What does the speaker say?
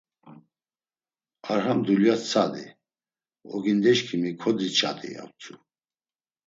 Ar ham dulyas tsadi, ogindeşǩimi kodiç̌adi, ya utzu.